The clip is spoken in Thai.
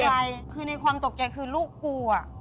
ยายคือในความตกใจคือลูกกูอ่ะ